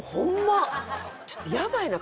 ちょっとやばいな！